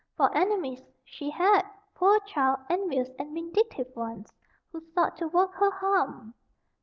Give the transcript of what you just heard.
For enemies she had, poor child, envious and vindictive ones, who sought to work her harm.